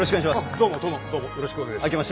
どうも殿どうもよろしくお願いします。